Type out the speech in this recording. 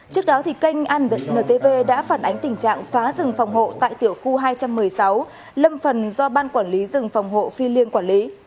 trước đó kênh antv đã phản ánh tình trạng phá rừng phòng hộ tại tiểu khu hai trăm một mươi sáu lâm phần do ban quản lý rừng phòng hộ phi liêng quản lý